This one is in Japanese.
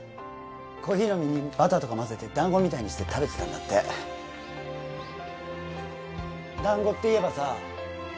コーヒーの実にバターとか混ぜて団子みたいにして食べてたんだって団子っていえばさあ